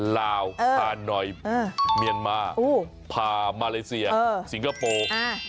ลาวผ่านหน่อยเมียนมาพามาเลเซียสิงคโปร์